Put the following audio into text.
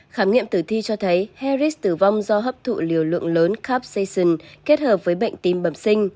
khám nghiệm tử thi cho thấy herrist tử vong do hấp thụ liều lượng lớn capcation kết hợp với bệnh tim bẩm sinh